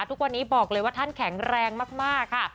ทุกวันนี้บอกเลยว่าท่านแข็งแรงมากค่ะ